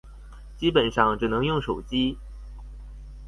基本上只能用手機